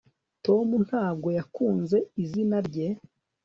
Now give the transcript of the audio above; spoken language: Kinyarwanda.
tom ntabwo yakunze izina rye